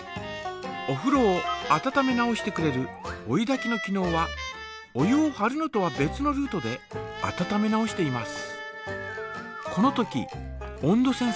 おふろを温め直してくれる追いだきの機のうはお湯をはるのとは別のルートで温め直しています。